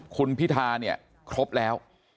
คุณพิธาเนี่ยครบแล้ว